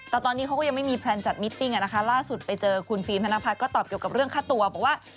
แต่ตอนนี้เขาก็ยังไม่มีแพลนจัดมิตติ้งล่าสุดไปเจอคุณฟิล์มธนพัฒน์ก็ตอบเกี่ยวกับเรื่องค่าตัวบอกว่า